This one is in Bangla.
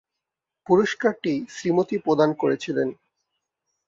পুরস্কারটি শ্রীমতী প্রদান করেছিলেন।